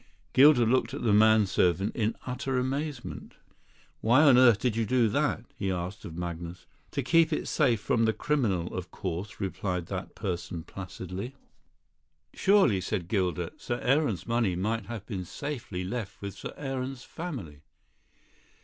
Gilder looked at the man servant in utter amazement. "Why on earth did you do that?" he asked of Magnus. "To keep it safe from the criminal, of course," replied that person placidly. "Surely," said Gilder, "Sir Aaron's money might have been safely left with Sir Aaron's family."